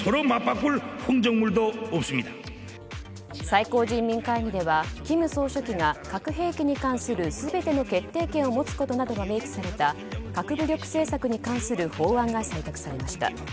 最高人民会議では金総書記が核兵器に関する全ての決定権を持つことなどが明記された核武力政策に関する法案が採択されました。